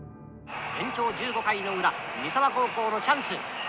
延長１５回の裏三沢高校のチャンス。